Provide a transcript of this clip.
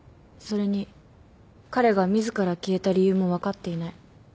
それに彼が自ら消えた理由も分かっていない。